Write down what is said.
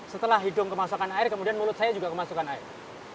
setelah hidung kemasukan air kemudian mulut saya juga kemasukan air